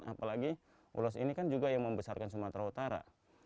apalagi ulos ini kan juga yang membesarkan sumatera utara